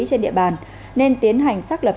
trên địa bàn nên tiến hành xác lập